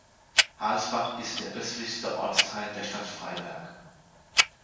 Halsbach ist der östlichste Ortsteil der Stadt Freiberg.